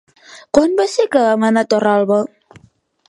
Quan va ser que vam anar a Torralba?